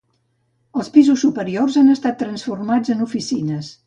Els pisos superiors han estat transformats en oficines.